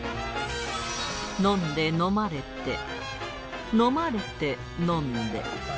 飲んで飲まれて飲まれて飲んで